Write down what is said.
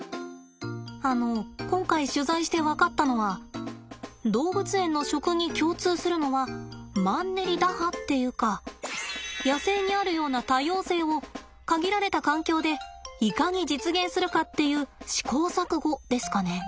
あの今回取材して分かったのは動物園の食に共通するのはマンネリ打破っていうか野生にあるような多様性を限られた環境でいかに実現するかっていう試行錯誤ですかね。